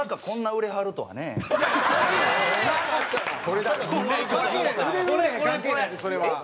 売れる売れへんは関係ないってそれは。